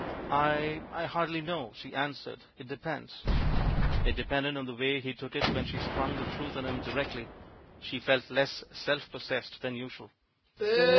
"I — I hardly know," she answered. "It de pends." It depended on the way he took it when she sprung the truth on him directly ; she felt less self possessed than usual.